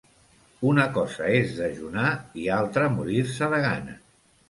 Una cosa és dejunar i altra morir-se de gana.